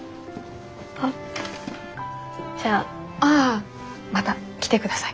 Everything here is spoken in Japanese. あじゃあ。ああまた来てください。